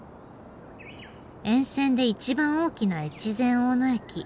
沿線で一番大きな越前大野駅。